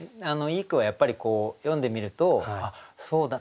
いい句はやっぱり読んでみるとあっそうだ